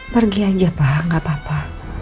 pergi aja pak gak papa